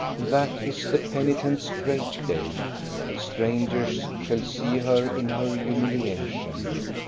That is the penitent's great day. Strangers shall see her in her humiliation.